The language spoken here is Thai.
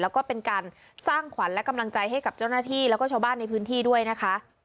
แล้วก็เป็นการสร้างขวัญและกำลังใจให้กับเจ้าหน้าที่แล้วก็ชาวบ้านในพื้นที่ด้วยนะคะ